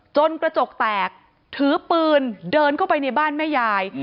กระจกแตกถือปืนเดินเข้าไปในบ้านแม่ยาย